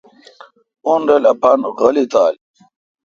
اؙن رل اپان غولی تھال۔